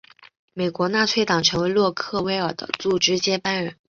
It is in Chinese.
美国纳粹党成为洛克威尔的组织接班人。